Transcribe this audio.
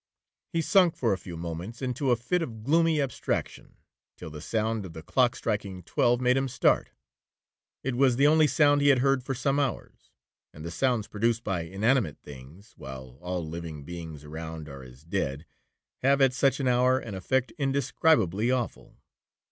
He sunk for a few moments into a fit of gloomy abstraction, till the sound of the clock striking twelve made him start,—it was the only sound he had heard for some hours, and the sounds produced by inanimate things, while all living beings around are as dead, have at such an hour an effect indescribably awful.